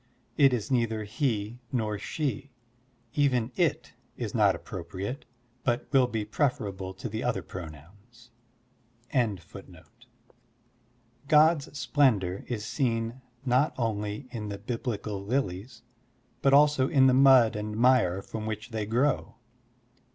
It is neither "he nor "she. Even "it" is not appropriate, but will be prefer able to the other pronoims. Digitized by Google 84 SERMONS OP A BUDDHIST ABBOT Splendor is seen not only in the Biblical lilies, but also in the mud and mire from which they grow.